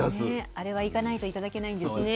あれは行かないと頂けないんですね。